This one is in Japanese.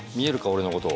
俺のこと。